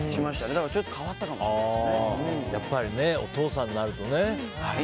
だからちょっとやっぱりお父さんになるとね。